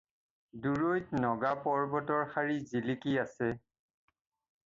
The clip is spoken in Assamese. দূৰৈত নগা পৰ্ব্বতৰ শাৰী জিলিকি আছে।